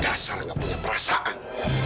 dasar tidak punya perasaan